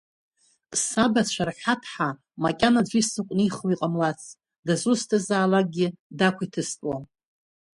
Сабацәа рҳәаҭҳа макьана аӡәы исыҟәнихуа иҟамлац, дызусҭазаалакгьы дақәиҭыстәуам!